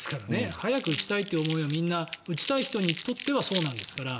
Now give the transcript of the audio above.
早く打ちたいという思いはみんな打ちたい人にとってはそうなんですから。